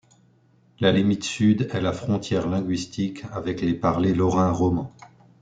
La limite sud est la frontière linguistique avec les parlers lorrains romans.